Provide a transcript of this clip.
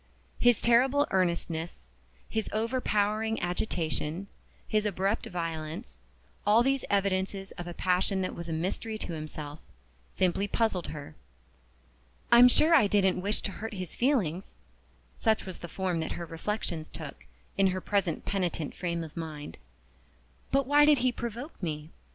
His terrible earnestness, his overpowering agitation, his abrupt violence all these evidences of a passion that was a mystery to himself simply puzzled her. "I'm sure I didn't wish to hurt his feelings" (such was the form that her reflections took, in her present penitent frame of mind); "but why did he provoke me?